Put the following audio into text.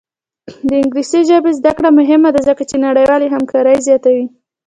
د انګلیسي ژبې زده کړه مهمه ده ځکه چې نړیوالې همکاري زیاتوي.